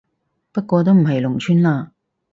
不過都唔係農村嘞